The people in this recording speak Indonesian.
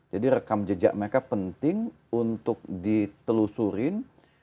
jadi rekam jejak mereka penting untuk ditelusurin